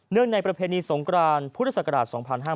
ในประเพณีสงกรานพุทธศักราช๒๕๕๙